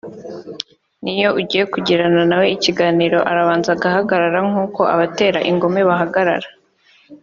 n’iyo ugiye kugirana nawe ikiganiro arabanza agahagarara nk’uko abatera ingumi bahagarara